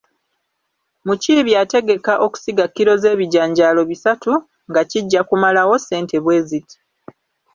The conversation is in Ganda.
Mukiibi ategeka okusiga kilo z’ebijanjaalo bisatu nga kijja kumalawo ssente bwe ziti.